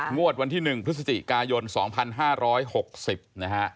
งวดวันที่๑พฤศจิกายน๒๕๖๐นะฮะ